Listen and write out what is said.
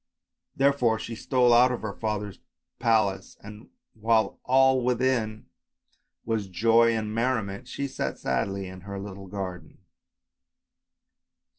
Therefore she stole out of her father's palace, and while all within was joy and merriment, she sat sadly in her little garden.